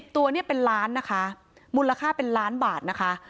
ตัวเนี่ยเป็นล้านนะคะมูลค่าเป็นล้านบาทนะคะ